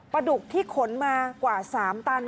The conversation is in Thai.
ดุกที่ขนมากว่า๓ตัน